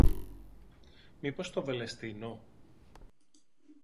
Μήπως στο Βελεστίνο;